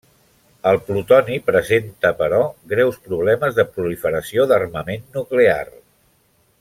El plutoni presenta però greus problemes de proliferació d'armament nuclear.